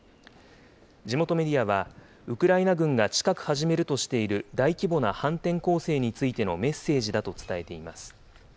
地元メディアは、ウクライナ軍が近く始めるとしている大規模な反転攻勢についてのメッセージだと伝えています。